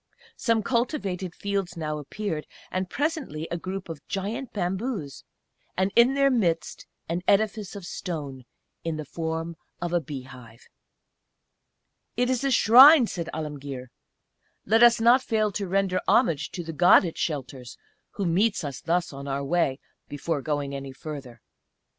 Some cultivated fields now appeared, and presently a group of giant bamboos, and in their midst an edifice of stone, in the form of a bee hive. "It is a Shrine," said Alemguir. "Let us not fail to render homage to the God it shelters, who meets us thus on our way, before going any further.